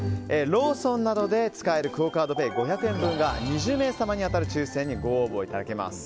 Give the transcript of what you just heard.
ローソンなどで使えるクオ・カードペイ５００円分が２０名様に当たる抽選にご応募いただけます。